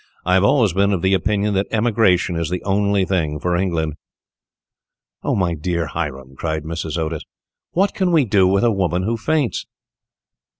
I have always been of opinion that emigration is the only thing for England." "My dear Hiram," cried Mrs. Otis, "what can we do with a woman who faints?"